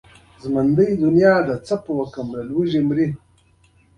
یو نظر و ځغلاوه، نوي راغلي کسان یې.